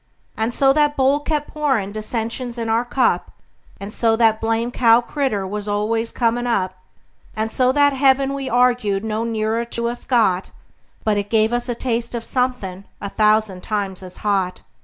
And so that bowl kept pourin' dissensions in our cup; And so that blamed cow critter was always a comin' up; And so that heaven we arg'ed no nearer to us got, But it gave us a taste of somethin' a thousand times as hot.